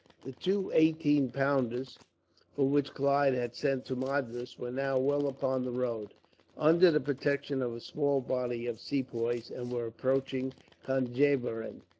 The two eighteen pounders, for which Clive had sent to Madras, were now well upon the road, under the protection of a small body of Sepoys, and were approaching Conjeveram.